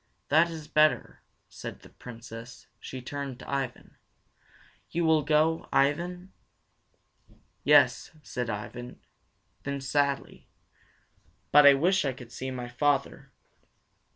"That is better," said the Princess. She turned to Ivan. "You will go, Ivan." "Yes," said Ivan. Then sadly, "But I wish I could see my father."